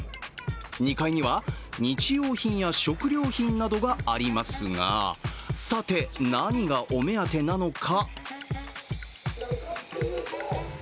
２階には日用品や食料品などがありますが、さて、何がお目当てなのか？